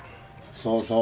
そうそう。